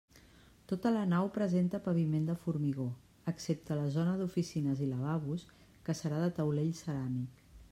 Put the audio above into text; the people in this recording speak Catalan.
Tota la nau presenta paviment de formigó excepte la zona d'oficines i lavabos que serà de taulell ceràmic.